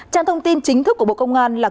trang thông tin chính thức của bộ công an là